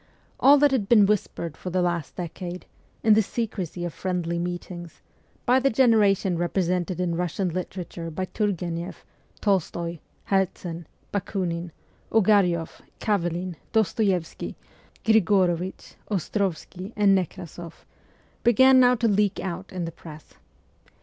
All that had been whis pered for the last decade, in the secrecy of friendly meetings, by the generation represented in Russian literature by Turgueneff, Tolstoy, Herzen, Bakunin, Ogary6f, Ravelin, Dostoevsky, Grigorovich, Ostrovsky, and Nekrasoff, began now to leak out in the press.